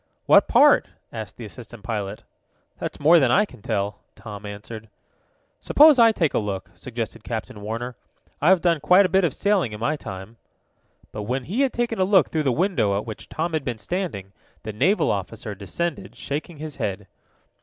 "What part?" asked the assistant pilot. "That's more than I can tell," Tom answered. "Suppose I take a look?" suggested Captain Warner. "I've done quite a bit of sailing in my time." But, when he had taken a look through the window at which Tom had been standing, the naval officer descended, shaking his head.